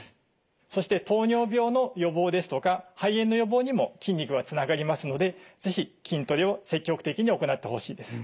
そして糖尿病の予防ですとか肺炎の予防にも筋肉はつながりますので是非筋トレを積極的に行ってほしいです。